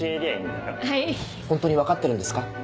ホントに分かってるんですか？